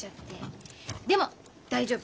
でも大丈夫。